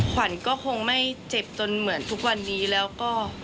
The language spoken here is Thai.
ขวัญก็คงไม่เจ็บจนเหมือนทุกวันนี้แล้วก็